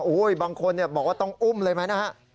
บางคนบอกว่าต้องอุ้มเลยไหมนะฮะ